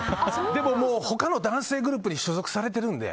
でも、他の男性グループに所属されているので。